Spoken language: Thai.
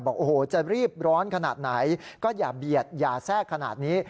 บอกโอ้โหจะรีบร้อนขนาดไหนก็อย่าเบียดอย่าแทรกขนาดนี้